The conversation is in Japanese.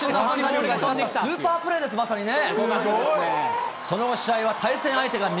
スーパープレーです、まさにね。